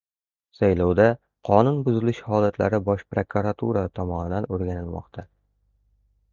Saylovda qonun buzilishi holatlari Bosh prokuratura tomonidan o‘rganilmoqda